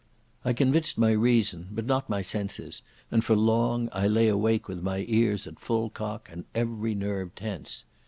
I convinced my reason, but not my senses, and for long I lay awake with my ears at full cock and every nerve tense.